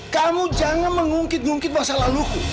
kamu jangan mengungkit ungkit masa laluku